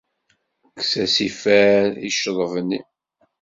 Kkes-as ifer i ccḍeb-ni.